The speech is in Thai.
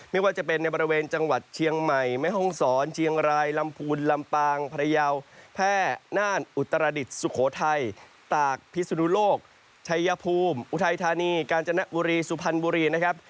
ไม่ว่าจะเป็นในบริเวณจังหวัดเชียงใหม่แม่ห้องศรเชียงรายลำพูนลำปางพระยาวแพ่น่านอุตรดิษฐ์สุโขทัยตากพิสุนุโลกชัยภูมิอุทัยธานีกาญจนบุรีสุพรรณบุรีนะครับ